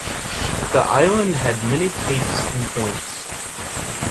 The island had many capes and points.